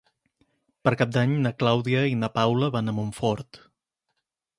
Per Cap d'Any na Clàudia i na Paula van a Montfort.